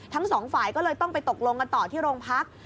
ทั้งสองฝ่ายก็เลยต้องไปตกลงกันต่อที่โรงพัก